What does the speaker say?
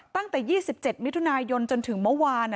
ตั้งแต่๒๗มิถุนายนจนถึงเมื่อวาน